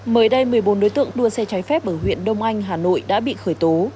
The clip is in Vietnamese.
mới đây một mươi bốn đối tượng đua xe trái phép ở huyện đông anh hà nội đã bị khởi tố